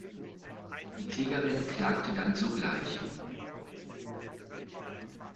Die Klägerin klagte dann sogleich.